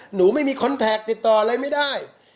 หนูไม่มีคอนแท็กติดต่ออะไรไม่ได้